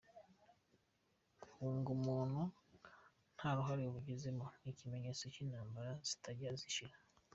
Guhunga umuntu nta ruhare abigizemo ni ikimenyetso cy’intambara zitajya zishira.